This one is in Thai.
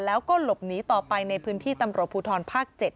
แล้วก็หลบหนีต่อไปในพื้นที่ตำรวจภูทรภาค๗